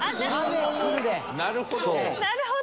なるほど。